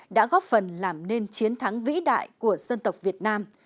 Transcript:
đã góp phần làm nên chiến thắng vĩ đại của dân tộc việt nam